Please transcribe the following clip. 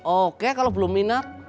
oke kalau belum minat